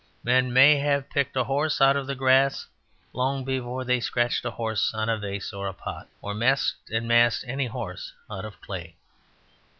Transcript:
Men may have picked a horse out of the grass long before they scratched a horse on a vase or pot, or messed and massed any horse out of clay.